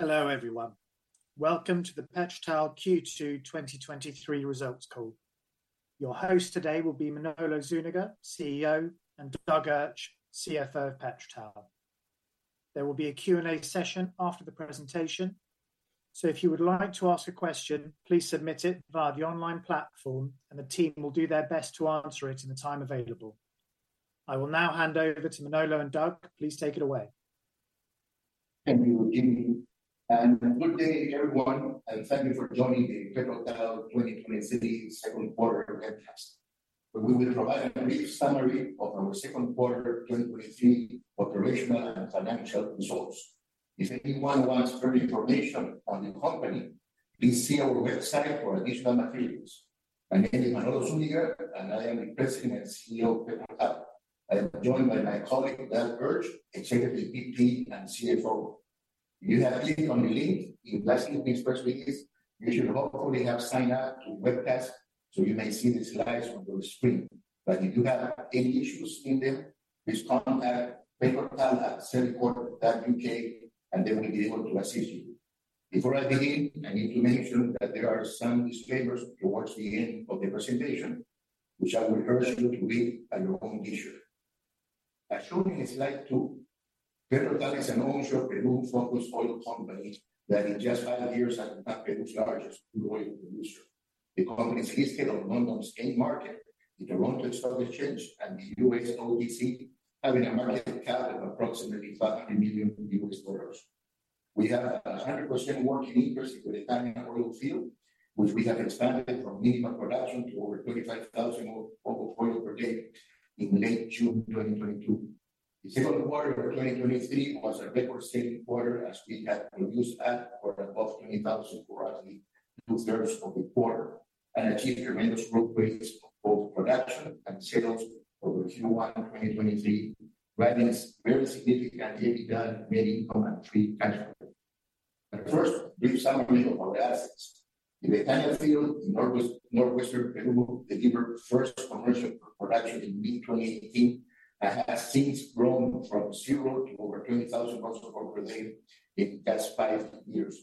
Hello, everyone. Welcome to the PetroTal Q2 2023 results call. Your host today will be Manolo Zúñiga, CEO, and Doug Urch, CFO of PetroTal. There will be a Q&A session after the presentation, so if you would like to ask a question, please submit it via the online platform, and the team will do their best to answer it in the time available. I will now hand over to Manolo and Doug. Please take it away. Thank you, Jimmy. Good day, everyone, and thank you for joining the PetroTal 2023 second quarter webcast. We will provide a brief summary of our second quarter 2023 operational and financial results. If anyone wants further information on the company, please see our website for additional materials. My name is Manolo Zúñiga, and I am the President and CEO of PetroTal. I am joined by my colleague, Doug Urch, Executive VP and CFO. If you have clicked on the link in the last few weeks, you should hopefully have signed up to the webcast, you may see the slides on your screen. If you have any issues seeing them, please contact petrotal@celicourt.uk, they will be able to assist you. Before I begin, I need to mention that there are some disclaimers towards the end of the presentation, which I would urge you to read at your own leisure. As shown in slide 2, PetroTal is an onshore Peru-focused oil company that in just five years has become Peru's largest oil producer. The company is listed on London's AIM market, the Toronto Stock Exchange, and the U.S. OTC, having a market cap of approximately $500 million. We have a 100% working interest in the Bretaña oil field, which we have expanded from minimal production to over 25,000 barrels of oil per day in late June 2022. The second quarter of 2023 was a record setting quarter, as we had produced at or above 20,000 for roughly 2/3 of the quarter and achieved tremendous growth rates for both production and sales over Q1 2023, readiness very significantly done many on three categories. First, a brief summary of our assets. In the Bretaña field in northwestern, northwestern Peru, they delivered first commercial production in mid-2018 and has since grown from zero to over 20,000 barrels of oil per day in the past five years.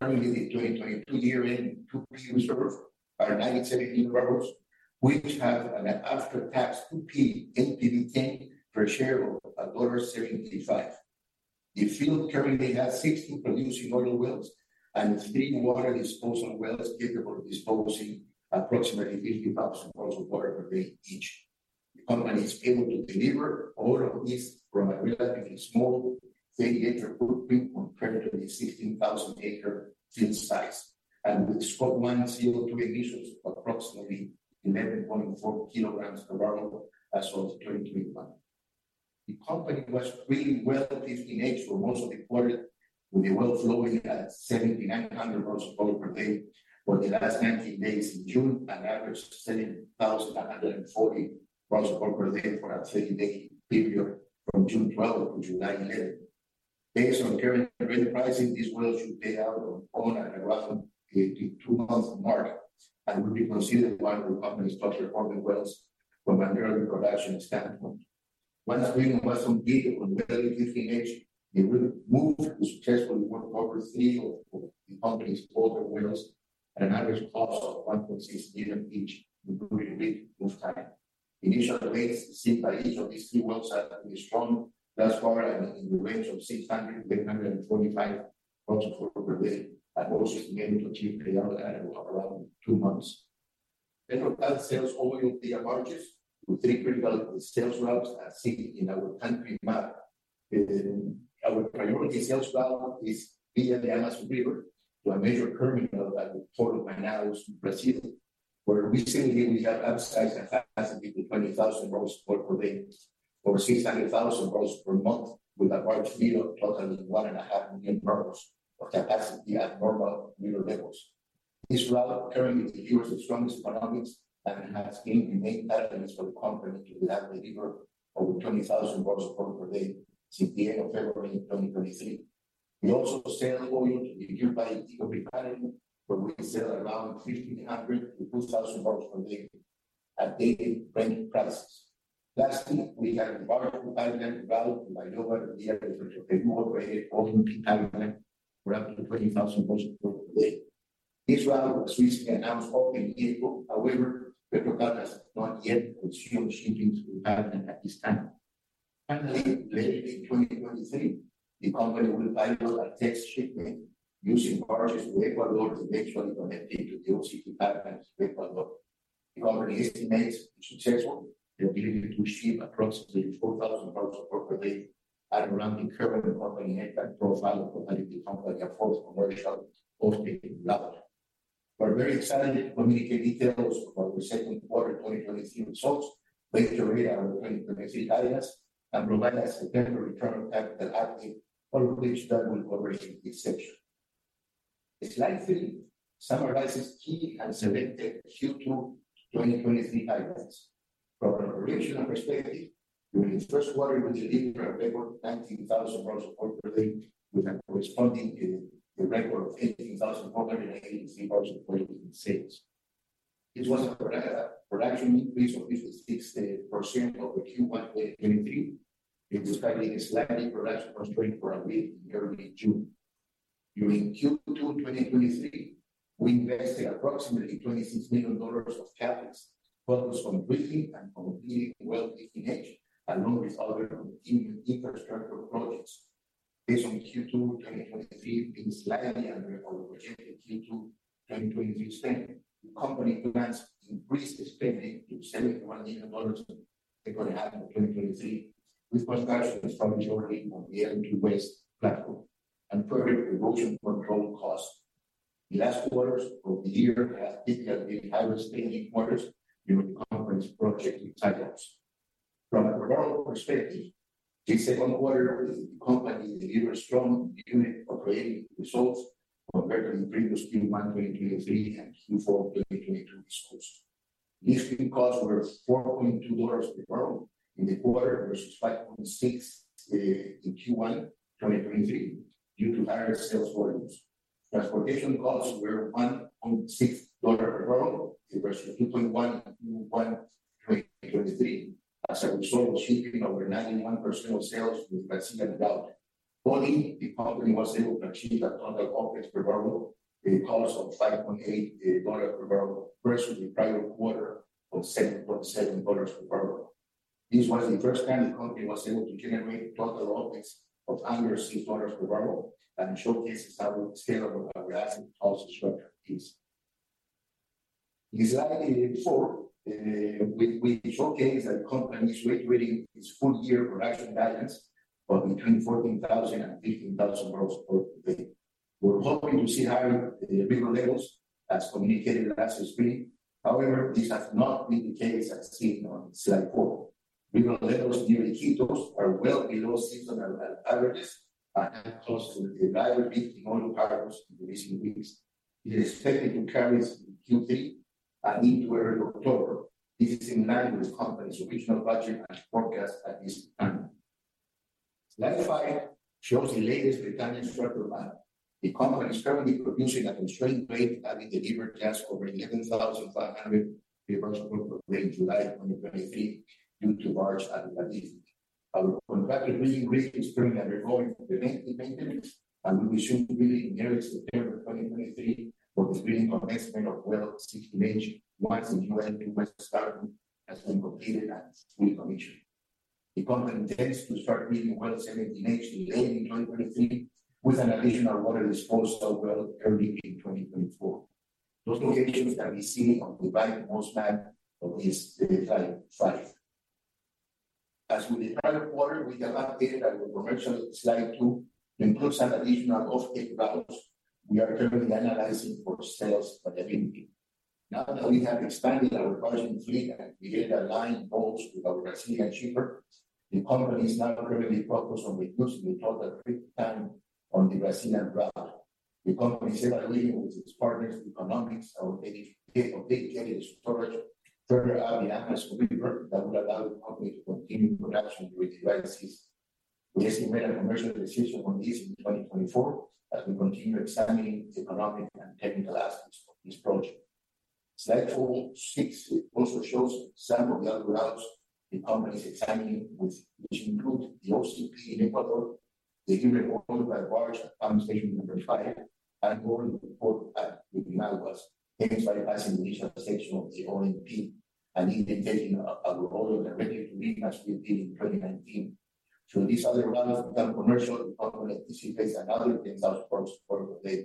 Currently, the 2022 year-end two million barrels are 97 million barrels, which have an after-tax 2P NPV-10 per share of $1.75. The field currently has 16 producing oil wells and three water disposal wells capable of disposing approximately 50,000 barrels of water per day each. The company is able to deliver all of this from a relatively small 30-acre footprint compared to the 16,000-acre field size, and with Scope 1 CO2 emissions of approximately 11.4 kilograms per barrel as of 2021. The company was really Well 15H for most of the quarter, with the well flowing at 7,900 barrels of oil per day for the last 90 days in June, an average of 7,140 barrels of oil per day for a 30-day period from June 12 to July 11. Based on current oil pricing, these wells should pay out on around 18 to two months mark and will be considered one of the company's top performing wells from an early production standpoint. Once the investment vehicle was Well 15H, it will move to successfully work over three of the company's older wells at an average cost of $1.6 million each, including lead move time. Initial rates seen by each of these three wells are very strong thus far, in the range of 600 to 825 barrels of oil per day, also being able to achieve payout at around two months. PetroTal sells oil via barges through three critical sales routes as seen in our country map. Our priority sales route is via the Amazon River to a major terminal at Porto Manaus, Brazil, where recently we have upsized 1,000 to 20,000 barrels of oil per day. Over 600,000 barrels per month, with a large field totaling 1.5 million barrels of capacity at normal river levels. This route currently secures the strongest economics and has been the main preference for the company to deliver over 20,000 barrels of oil per day since the end of February 2023. We also sell oil to the nearby Iquitos refinery, where we sell around 1,500-2,000 barrels per day at daily pricing. Lastly, we have environmental pipeline route from Maranon to the near the Petroperu, where it all pipeline for up to 20,000 barrels of oil per day. This route was recently announced open in April, however, PetroTal has not yet consumed shipments to happen at this time. Finally, later in 2023, the company will pilot a test shipment using barges to Ecuador to make sure it can compete to the OCP pipelines in Ecuador. The company estimates, if successful, the ability to ship approximately 4,000 barrels of oil per day at around the current operating impact profile of the company, becoming a fourth commercial posting route. We're very excited to communicate details about the second quarter 2023 results, later read our 2023 guidance, and provide a September return on capital update, all of which Doug will cover in this section. Slide 3 summarizes key and selected Q2 2023 highlights. From an operational perspective, during the first quarter, we delivered a record 19,000 barrels of oil per day, with a corresponding in the record of 18,483 barrels of oil in sales.... It was a production increase of 60% over Q1 2023, despite a slightly production constraint for a week in early June. During Q2 2023, we invested approximately $26 million of CapEx, focused on completing and on Well 15H, along with other continued infrastructure projects. Based on Q2 2023 being slightly under our projected Q2 2023 spending, the company plans to increase the spending to $71 million in the second half of 2023, which was partially the majority of the L2 West platform and further erosion control costs. The last quarters of the year have typically been higher spending quarters during the company's project cycles. From a overall perspective, the second quarter, the company delivered strong unit operating results compared to the previous Q1 2023 and Q4 2022 results. These costs were $4.2 per barrel in the quarter, versus $5.6 in Q1 2023, due to higher sales volumes. Transportation costs were $1.6 per barrel versus $2.1 in 2023, as a result of shipping over 91% of sales with Brazilian development. Only the company was able to achieve a total OpEx per barrel, the cost of $5.8 per barrel, versus the prior quarter of $7.7 per barrel. This was the first time the company was able to generate total OpEx of under $6 per barrel and showcases our scalable aggressive cost structure is. In slide 4, we showcase that company is reiterating its full year production guidance of between 14,000 and 15,000 barrels per day. We're hoping to see higher river levels as communicated in SSP. This has not been the case as seen on slide 4. River levels during the key those are well below seasonal averages and close to the barrier peak in oil patterns in recent weeks. It is expected to carry Q3 and into early October. This is in line with company's original budget and forecast at this time. Slide 5 shows the latest retention struggle map. The company is currently producing at constrained rate, having delivered just over 11,500 barrels per day in July 2023, due to large activities. Our contract is being briefly spring and we're going to the maintenance, and we should be in August of 2023 for the beginning of next year of Well 16H, once the ONP request start has been completed and commission. The company intends to start reading Well 17H in late 2023, with an additional water disposal well early in 2024. Those locations can be seen on the right most map of this slide. As with the current quarter, we have updated our commercial slide 2, includes an additional off take routes we are currently analyzing for sales and ability. Now that we have expanded our production fleet and created a line both with our Brazilian shipper, the company is now currently focused on reducing the total fleet time on the Brazilian route. The company is currently with its partners, economics, our dedicated storage, further out the Amazon River, that would allow the company to continue production with devices. We estimate a commercial decision on this in 2024, as we continue examining the economic and technical aspects of this project. Slide 46 also shows some of the other routes the company is examining with, which include the OCP in Ecuador, the ONP Station Number 5, and more at the Malwas, thanks to the passing initial section of the ONP, an indication of a role in the regular week has been in 2019. These other routes commercial anticipate another 10,000 barrels per day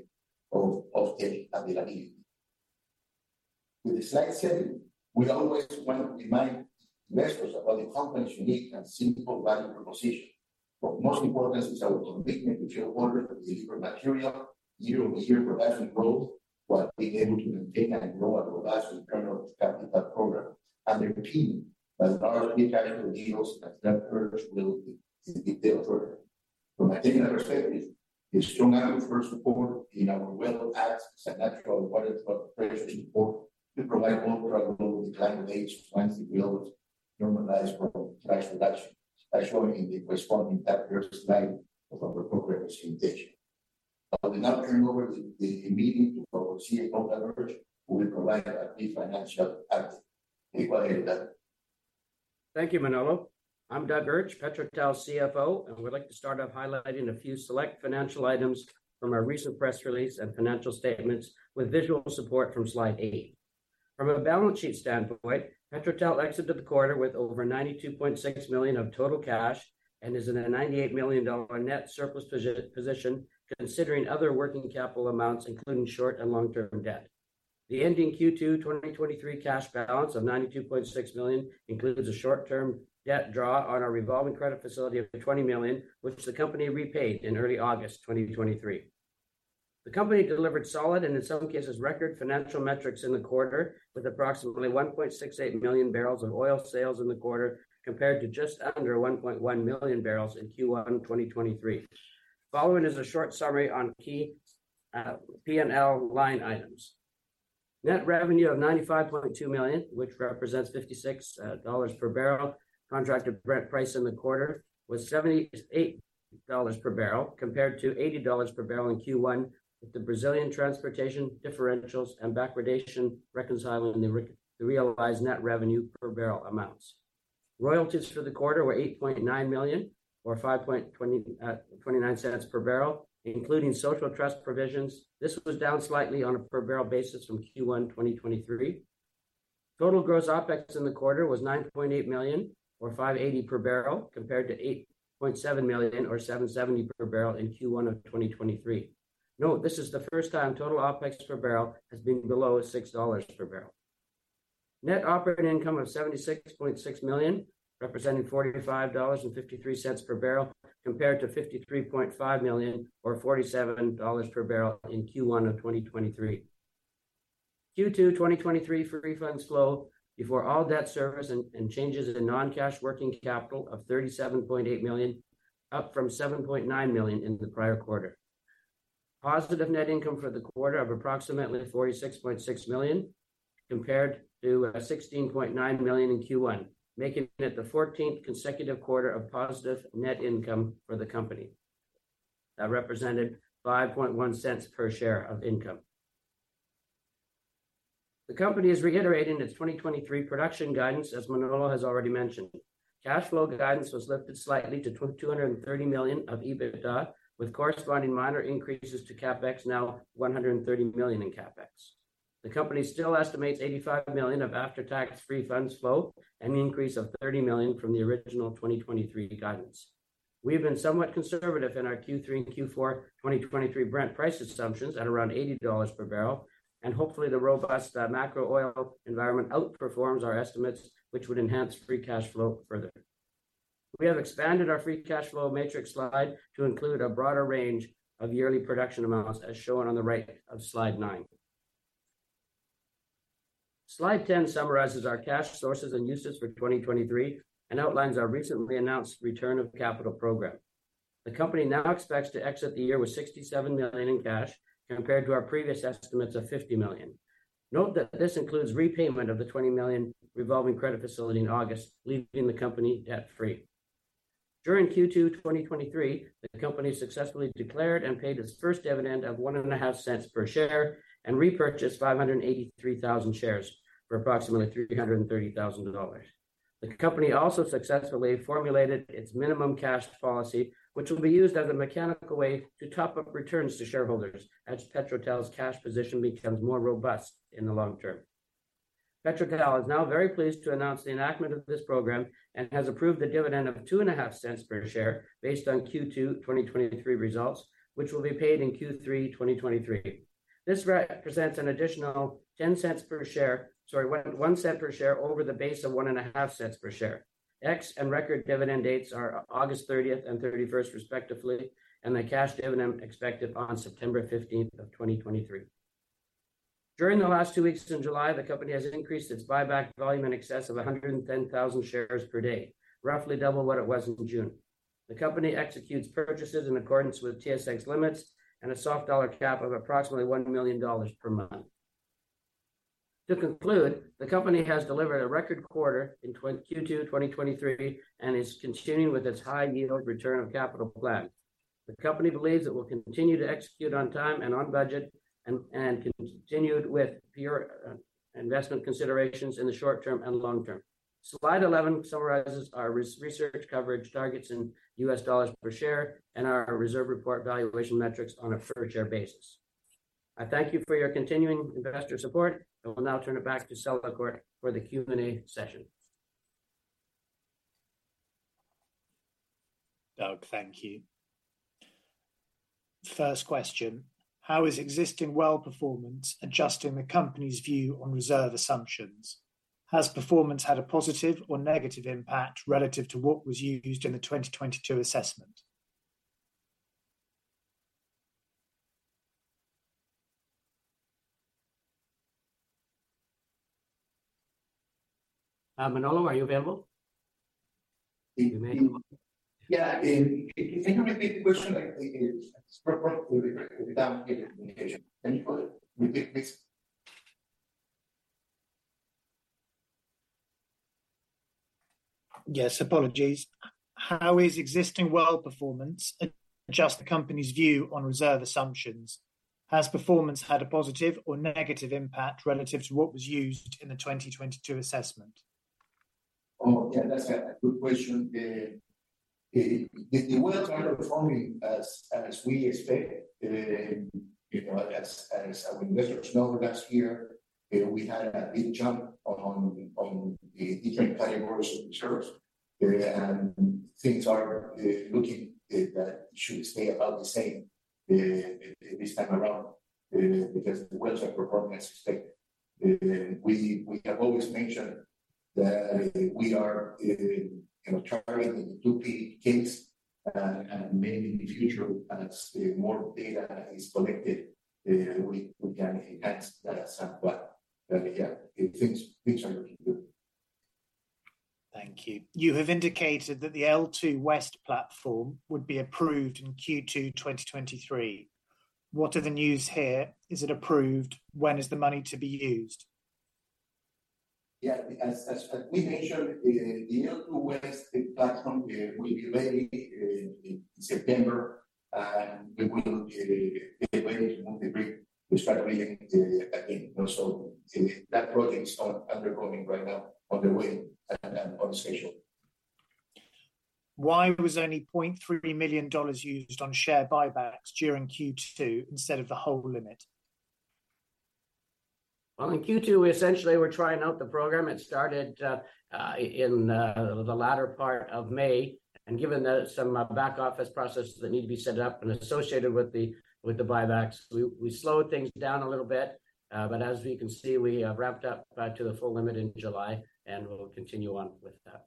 of, off taking availability. Slide 7, we always want to remind investors about the company's unique and simple value proposition. Most important is our commitment to shareholders for material year-over-year production growth, while being able to maintain and grow a robust internal capital program. The team as large as deals that will be dealt with. From a technical perspective, a strong analyst first support in our well access and natural water operation support to provide more travel with climate age, once the wheels normalized for production, especially in the corresponding chapters slide of our progress indication. I will now turn over the meeting to our CFO, Doug Urch, who will provide a key financial update. Go ahead, Doug. Thank you, Manolo. I'm Doug Urch, PetroTal CFO, and would like to start off highlighting a few select financial items from our recent press release and financial statements with visual support from slide 8. From a balance sheet standpoint, PetroTal exited the quarter with over $92.6 million of total cash and is in a $98 million net surplus position, considering other working capital amounts, including short and long-term debt. The ending Q2 2023 cash balance of $92.6 million includes a short-term debt draw on our revolving credit facility of $20 million, which the company repaid in early August 2023. The company delivered solid, and in some cases, record financial metrics in the quarter, with approximately 1.68 million barrels of oil sales in the quarter, compared to just under 1.1 million barrels in Q1, 2023. Following is a short summary on key P&L line items. Net revenue of $95.2 million, which represents $56 per barrel. Contracted price in the quarter was $78 per barrel compared to $80 per barrel in Q1, with the Brazilian transportation differentials and backwardation reconciling the realized net revenue per barrel amounts. Royalties for the quarter were $8.9 million, or $5.29 per barrel, including community social trust. This was down slightly on a per barrel basis from Q1 2023. Total gross OpEx in the quarter was $9.8 million, or $5.80 per barrel, compared to $8.7 million, or $7.70 per barrel in Q1 2023. Note, this is the first time total OpEx per barrel has been below $6 per barrel. Net operating income of $76.6 million, representing $45.53 per barrel, compared to $53.5 million or $47 per barrel in Q1 2023. Q2 2023 free funds flow before all debt service and changes in non-cash working capital of $37.8 million, up from $7.9 million in the prior quarter. Positive net income for the quarter of approximately $46.6 million, compared to $16.9 million in Q1, making it the 14th consecutive quarter of positive net income for the company. That represented $0.051 per share of income. The company is reiterating its 2023 production guidance, as Manolo has already mentioned. Cash flow guidance was lifted slightly to $230 million of EBITDA, with corresponding minor increases to CapEx, now $130 million in CapEx. The company still estimates $85 million of after-tax free funds flow, an increase of $30 million from the original 2023 guidance. We've been somewhat conservative in our Q3 and Q4 2023 Brent price assumptions at around $80 per barrel, and hopefully, the robust macro oil environment outperforms our estimates, which would enhance free cash flow further. We have expanded our free cash flow matrix slide to include a broader range of yearly production amounts, as shown on the right of slide 9. Slide 10 summarizes our cash sources and uses for 2023 and outlines our recently announced return of capital program. The company now expects to exit the year with $67 million in cash, compared to our previous estimates of $50 million. Note that this includes repayment of the $20 million revolving credit facility in August, leaving the company debt-free. During Q2 2023, the company successfully declared and paid its first dividend of $0.015 per share and repurchased 583,000 shares for approximately $330,000. The company also successfully formulated its minimum cash policy, which will be used as a mechanical way to top up returns to shareholders as PetroTal's cash position becomes more robust in the long term. PetroTal is now very pleased to announce the enactment of this program and has approved a dividend of $0.025 per share based on Q2 2023 results, which will be paid in Q3 2023. This represents an additional $0.10 per share... Sorry, $0.01 per share over the base of $0.015 per share. Ex and record dividend dates are August 30th and 31st, respectively, and the cash dividend expected on September 15th of 2023. During the last two weeks in July, the company has increased its buyback volume in excess of 110,000 shares per day, roughly double what it was in June. The company executes purchases in accordance with TSX limits and a soft dollar cap of approximately $1 million per month. To conclude, the company has delivered a record quarter in Q2 2023, and is continuing with its high-yield return of capital plan. The company believes it will continue to execute on time and on budget and continued with pure investment considerations in the short term and long term. Slide 11 summarizes our research coverage targets in US dollars per share and our reserve report valuation metrics on a per share basis. I thank you for your continuing investor support and will now turn it back to Selwyn Gort for the Q&A session. Doug, thank you. First question: How is existing well performance adjusting the company's view on reserve assumptions? Has performance had a positive or negative impact relative to what was used in the 2022 assessment? Manolo, are you available? Yeah, can you repeat the question? Like, the, without communication. Can you repeat, please? Yes, apologies. How is existing well performance adjust the company's view on reserve assumptions? Has performance had a positive or negative impact relative to what was used in the 2022 assessment? Oh, yeah, that's a good question. The wells are performing as we expected. You know, as investors know, last year, we had a big jump on the different categories of reserves. Things are looking, should stay about the same, this time around, because the wells are performing as expected. We have always mentioned that we are, you know, targeting the 2P case, and maybe in the future, as more data is collected, we can enhance that somewhat. Yeah, things are looking good. Thank you. You have indicated that the L2 West platform would be approved in Q2, 2023. What are the news here? Is it approved? When is the money to be used? As, as, as we mentioned, the, the West Platform will be ready in, in September, and we will be, be ready to move the rig to start bringing the, again, you know, that project is on, undergoing right now on the way and, and on schedule. Why was only $0.3 million used on share buybacks during Q2 instead of the whole limit? Well, in Q2, we essentially were trying out the program. It started in the latter part of May. Given that some back-office processes that need to be set up and associated with the, with the buybacks, we, we slowed things down a little bit. As we can see, we ramped up back to the full limit in July, and we'll continue on with that.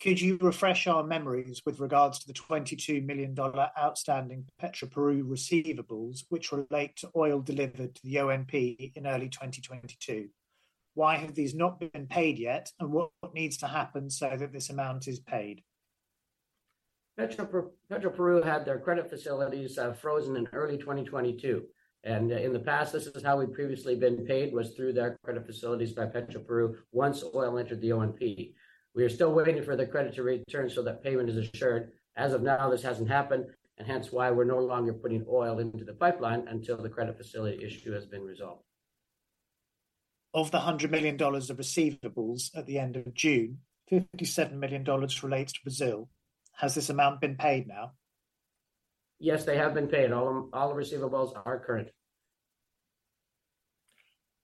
Could you refresh our memories with regards to the $22 million outstanding Petroperu receivables, which relate to oil delivered to the ONP in early 2022? Why have these not been paid yet, and what needs to happen so that this amount is paid? PetroPeru had their credit facilities frozen in early 2022, and in the past, this is how we'd previously been paid, was through their credit facilities by PetroPeru once oil entered the ONP. We are still waiting for the credit to return so that payment is assured. As of now, this hasn't happened, and hence why we're no longer putting oil into the pipeline until the credit facility issue has been resolved. Of the $100 million of receivables at the end of June, $57 million relates to Brazil. Has this amount been paid now? Yes, they have been paid. All the receivables are current.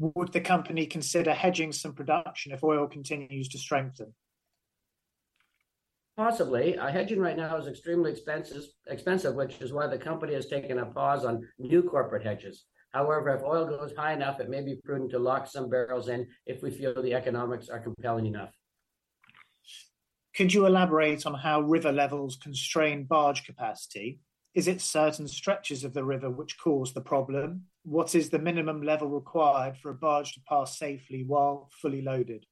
Would the company consider hedging some production if oil continues to strengthen? Possibly. Hedging right now is extremely expensive, which is why the company has taken a pause on new corporate hedges. However, if oil goes high enough, it may be prudent to lock some barrels in if we feel the economics are compelling enough. Could you elaborate on how river levels constrain barge capacity? Is it certain stretches of the river which cause the problem? What is the minimum level required for a barge to pass safely while fully loaded?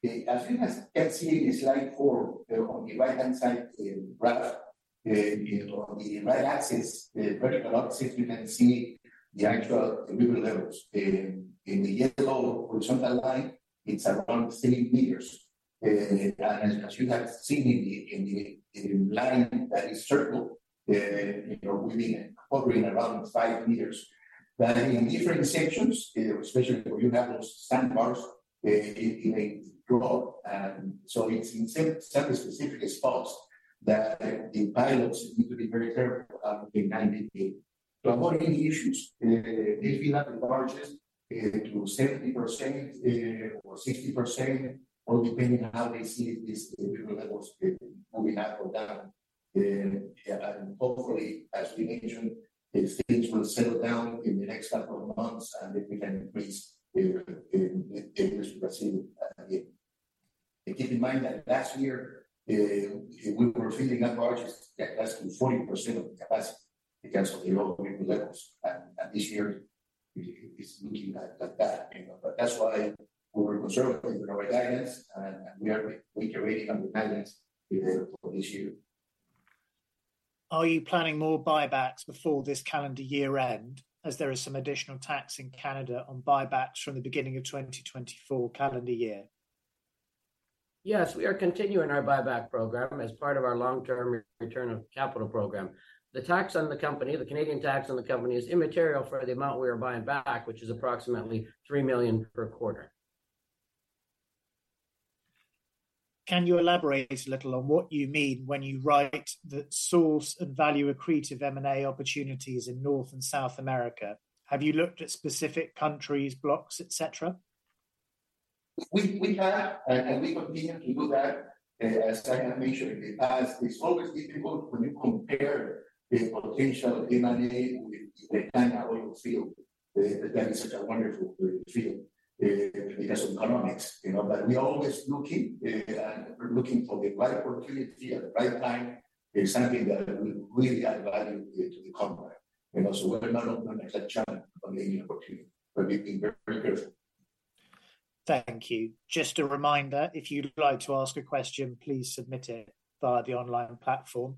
Yeah, as you can, can see in the slide 4, on the right-hand side, in rather, you know, on the right axis, the vertical axis, you can see the actual river levels. In, in the yellow horizontal line, it's around 3 meters. As, as you have seen in the, in the, in the line that is circled, you know, we've been hovering around 5 meters. In different sections, especially where you have those sandbars, it, it may drop, and so it's in certain, certain specific spots that the pilots need to be very careful in navigating. To avoid any issues, they fill up the barges to 70% or 60%, all depending on how they see these river levels, going up or down. Hopefully, as we mentioned, if things will settle down in the next couple of months, and we can increase the, the, the capacity again. Keep in mind that last year, we were filling up barges at less than 40% of capacity because of the low river levels, and, and this year it, it's looking like that, you know. That's why we were conservative with our guidance, and, and we are reiterating on the guidance for this year. Are you planning more buybacks before this calendar year end, as there is some additional tax in Canada on buybacks from the beginning of 2024 calendar year? Yes, we are continuing our buyback program as part of our long-term return of capital program. The tax on the company, the Canadian tax on the company, is immaterial for the amount we are buying back, which is approximately $3 million per quarter. Can you elaborate a little on what you mean when you write that source and value accretive M&A opportunities in North and South America? Have you looked at specific countries, blocks, etcetera? We, we have, and we continue to do that, as I mentioned, because it's always difficult when you compare the potential M&A with the current oil field. That is such a wonderful field, because of economics, you know. We're always looking, and we're looking for the right opportunity at the right time, something that will really add value to the company. You know, we're not going to miss that chance on any opportunity, but we've been very careful. Thank you. Just a reminder, if you'd like to ask a question, please submit it via the online platform.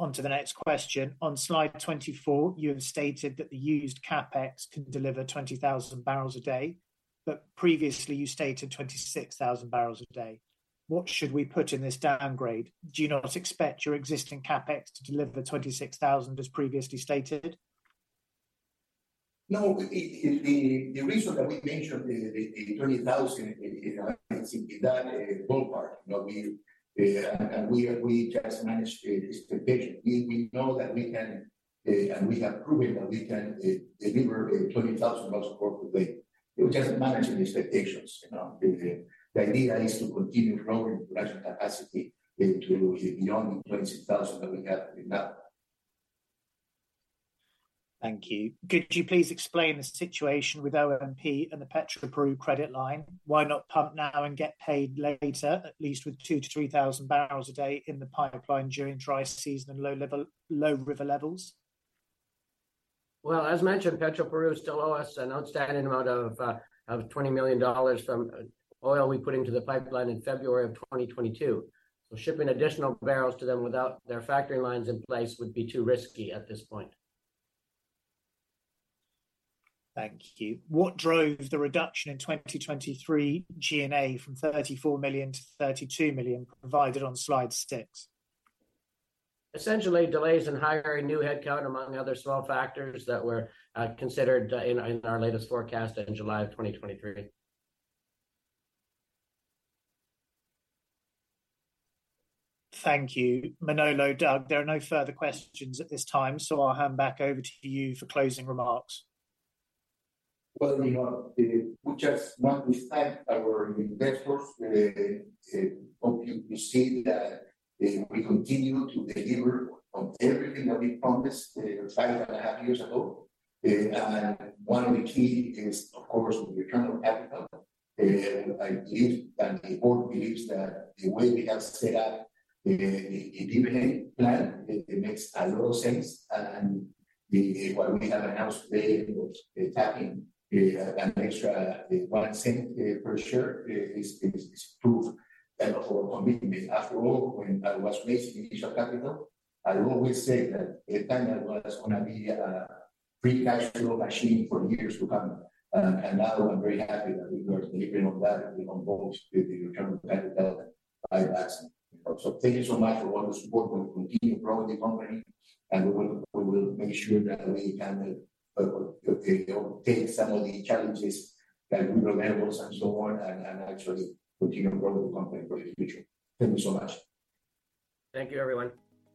On to the next question. On slide 24, you have stated that the used CapEx can deliver 20,000 barrels a day. Previously you stated 26,000 barrels a day. What should we put in this downgrade? Do you not expect your existing CapEx to deliver 26,000, as previously stated? No, the, the, the reason that we mentioned the, the, the 20,000, is that ballpark. You know, we, and we, we just managed the expectation. We, we know that we can, and we have proven that we can, deliver, 20,000 barrels per day. We're just managing the expectations, you know. The, the idea is to continue growing production capacity, to beyond the 26,000 that we have right now. Thank you. Could you please explain the situation with ONP and the Petroperu credit line? Why not pump now and get paid later, at least with 2,000-3,000 barrels a day in the pipeline during dry season and low river levels? Well, as mentioned, Petroperu still owes us an outstanding amount of $20 million from oil we put into the pipeline in February of 2022. Shipping additional barrels to them without their factory lines in place would be too risky at this point. Thank you. What drove the reduction in 2023 G&A from $34 million to $32 million, provided on slide 6? Essentially, delays in hiring new headcount, among other small factors that were considered, in our, in our latest forecast in July of 2023. Thank you. Manolo, Doug, there are no further questions at this time, so I'll hand back over to you for closing remarks. Well, you know, we just want to thank our investors. Hope you can see that we continue to deliver on everything that we promised, five and a half years ago. One of the key is, of course, the return of capital. I believe, and the board believes that the way we have set up the dividend plan, it makes a lot of sense. What we have announced today, was tapping an extra $0.01 per share, is proof of our commitment. After all, when I was raising initial capital, I always said that Bretana was gonna be a free cash flow machine for years to come, and now I'm very happy that we are delivering on that and on both the return of capital and buybacks. Thank you so much for all the support. We'll continue growing the company, and we will, we will make sure that we can take some of the challenges that river levels and so on, and actually continue to grow the company for the future. Thank you so much. Thank you, everyone.